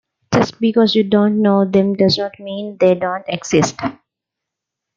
Just because you don't know them does not mean they don't exist.